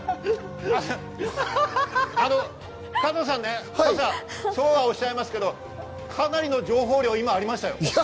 加藤さん、そうはおっしゃいますが、かなりの情報量が今、ありましたよ。